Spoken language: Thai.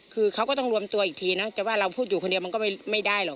คือเขาก็ต้องรวมตัวอีกทีนะแต่ว่าเราพูดอยู่คนเดียวมันก็ไม่ได้หรอก